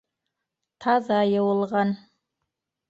Таҙа йыуылған.